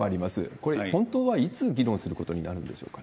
これ、本当はいつ議論することになるんでしょうか？